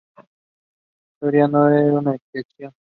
Suria no es una excepción.